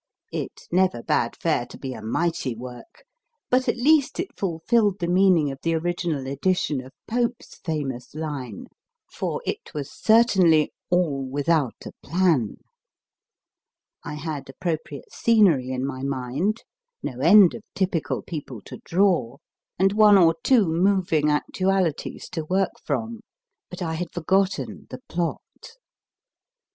It never bade fair to be a mighty work, but at least it fulfilled the meaning of the original edition of Pope s famous line, for it was certainly all without I HANDED HIM TWO CHAPTERS a plan. I had appropriate scenery in my mind, no end of typical people to draw, and one or two moving actualities to work from. But I had forgotten the plot.